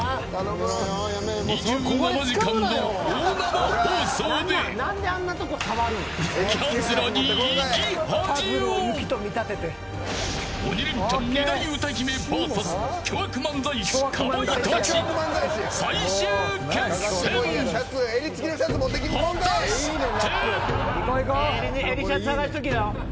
２７時間の大生放送できゃつらに生き恥を鬼レンチャン二大歌姫ＶＳ巨悪漫才師かまいたち最終決戦果たして。